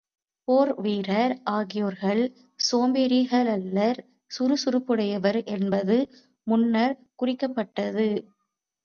போர் வீரர் அக்கேயர்கள் சோம்பேறிகளல்லர் சுறு சுறுப்புடையவர்கள் என்பது முன்னர்க் குறிக்கப்பட்டது.